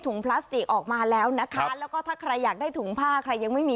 พลาสติกออกมาแล้วนะคะแล้วก็ถ้าใครอยากได้ถุงผ้าใครยังไม่มี